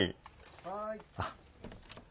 ・はい。